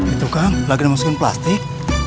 itu kan lagi dimasukin plastik